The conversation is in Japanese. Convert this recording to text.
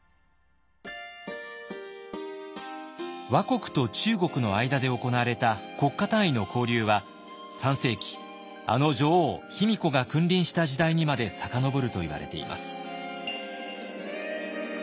倭国と中国の間で行われた国家単位の交流は３世紀あの女王卑弥呼が君臨した時代にまで遡るといわれています。